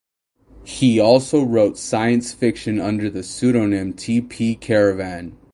He also wrote science fiction under the pseudonym T. P. Caravan.